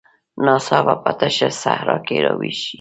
ناڅاپه په تشه صحرا کې راویښ شي.